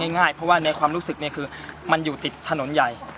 ง่ายเพราะว่าในความรู้สึกเนี่ยคือมันอยู่ติดถนนใหญ่